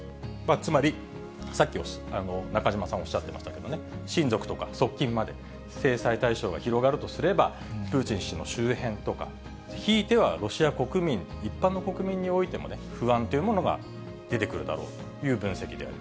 つまり、さっき中島さんおっしゃっていましたけれどもね、親族とか側近まで制裁対象が広がるとすれば、プーチン氏の周辺とか、ひいてはロシア国民、一般の国民においても不安というものが出てくるだろうという分析